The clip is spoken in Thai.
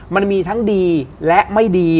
มันมีทั้งดีและไม่ดี